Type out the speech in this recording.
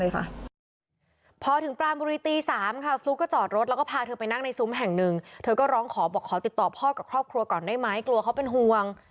เขาก็พาเธอไปนั่งในซุ้มแห่งหนึ่งเธอก็ร้องขอบอกขอติดต่อพ่อกับครอบครัวก่อนได้ไหมกลัวเขาเป็นห่วง